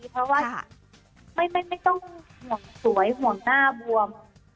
เพราะว่าไม่ต้องห่วงสวยห่วงหน้าบวม